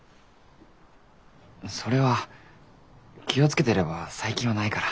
それは気を付けていれば最近はないから。